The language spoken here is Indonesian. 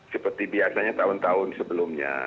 seperti biasanya tahun tahun sebelumnya